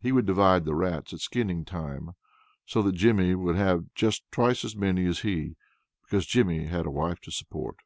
He would divide the rats at skinning time, so that Jimmy would have just twice as many as he, because Jimmy had a wife to support.